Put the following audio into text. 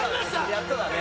やっとだね。